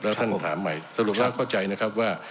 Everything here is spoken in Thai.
แล้วท่านถามใหม่สรุปแล้วเข้าใจนะครับว่า